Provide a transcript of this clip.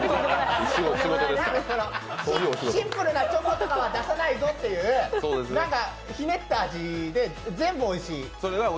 シンプルなチョコとかは出さないぞっていうひねった味で、全部おいしい。